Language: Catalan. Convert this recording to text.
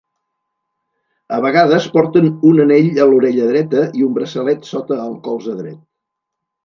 A vegades porten un anell a l'orella dreta i un braçalet sota el colze dret.